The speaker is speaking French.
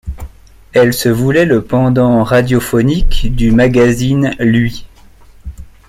Elle se voulait le pendant radiophonique du magazine Lui.